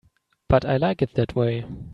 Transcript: But I like it that way.